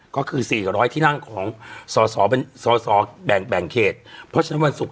ก็คือสี่กับร้อยที่นั่งของสำสำไม่แบ่งแบ่งเขตเพราะฉะนั้นวันศุกร์